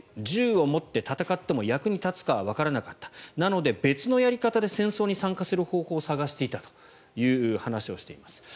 銃を持って戦っても役に立つかはわからなかったなので別のやり方で戦争に参加する方法を探していたという話をしています。